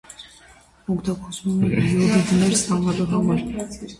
Օգտագործվում է յոդիդներ ստանալու համար։